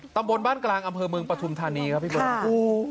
ตรงบนบ้านกลางอำเภอเมืองประถุมธานีครับพี่บอก